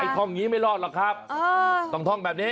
ท่องอย่างนี้ไม่รอดหรอกครับต้องท่องแบบนี้